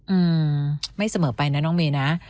อืมไม่เสมอไปนะน้องเมย์นะ